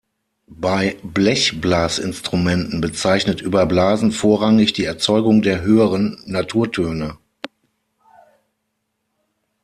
Bei Blechblasinstrumenten bezeichnet "Überblasen" vorrangig die Erzeugung der "höheren" Naturtöne.